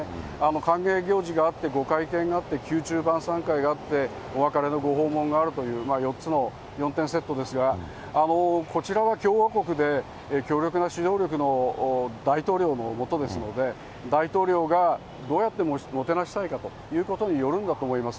歓迎行事があって、ご会見があって、宮中晩さん会があって、お別れのご訪問があるという、４つの４点セットですが、こちらは共和国で強力な指導力の大統領の下ですので、大統領がどうやってもてなしたいかということによるんだと思います。